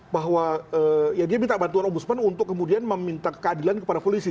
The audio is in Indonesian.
bahwa ya dia minta bantuan ombudsman untuk kemudian meminta keadilan kepada polisi